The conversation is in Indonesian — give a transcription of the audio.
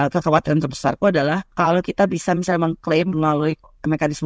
kekhawatiran terbesarku adalah kalau kita bisa misalnya mengklaim melalui mekanisme